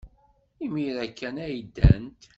Imir-a kan ay ddant.